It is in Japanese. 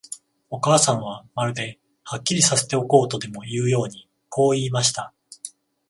お母さんは、まるで、はっきりさせておこうとでもいうように、こう言いました。